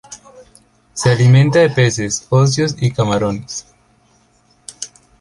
Se alimenta de peces óseos y camarones.